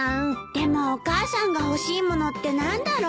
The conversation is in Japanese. でもお母さんが欲しい物って何だろう？